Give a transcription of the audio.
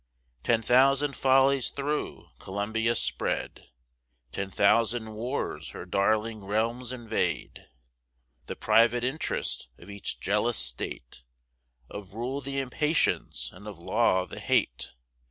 Ten thousand follies thro' Columbia spread; Ten thousand wars her darling realms invade. The private interest of each jealous state; Of rule th' impatience and of law the hate.